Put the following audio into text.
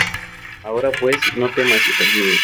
Ahora pues, no temas, hija mía: